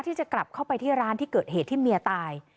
ที่จะกลับเข้าไปที่ร้านที่เกิดเหตุที่เมียตาย